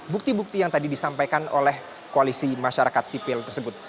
bukti bukti yang tadi disampaikan oleh koalisi masyarakat sipil tersebut